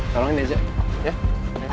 tolongin aja ya